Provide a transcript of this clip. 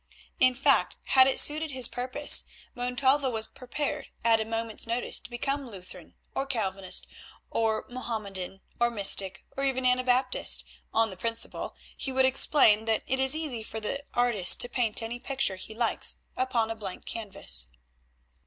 In fact, had it suited his purpose, Montalvo was prepared, at a moment's notice, to become Lutheran or Calvinist, or Mahomedan, or Mystic, or even Anabaptist; on the principle, he would explain, that it is easy for the artist to paint any picture he likes upon a blank canvas.